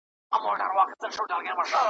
رنګېنې بڼي یې لمر ته ځلېدلې `